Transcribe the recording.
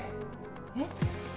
えっ？